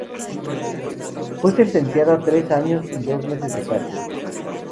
Fue sentenciado a tres años y dos meses de cárcel.